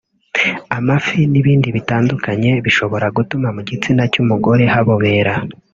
amafi n’ibindi bitandukanye bishobora gutuma mu gitsina cy’umugore habobera